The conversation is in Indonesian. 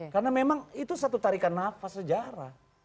karena memang itu satu tarikan nafas sejarah